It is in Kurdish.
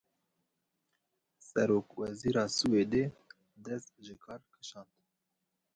Serokwezîra Swêdê dest ji kar kişand.